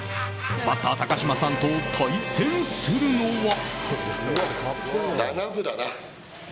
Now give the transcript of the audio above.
バッター高嶋さんと対戦するのは。